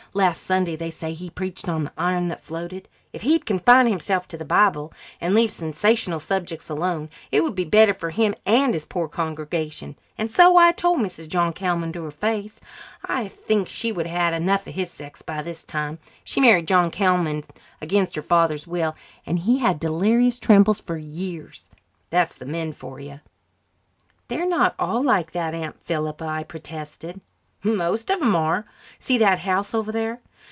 Last Sunday they say he preached on the iron that floated. If he'd confine himself to the Bible and leave sensational subjects alone it would be better for him and his poor congregation, and so I told Mrs. John Callman to her face. I should think she would have had enough of his sex by this time. She married John Callman against her father's will, and he had delirious trembles for years. That's the men for you." "They're not all like that, Aunt Philippa," I protested. "Most of 'em are. See that house over there?